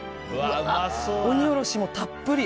鬼おろしもたっぷり。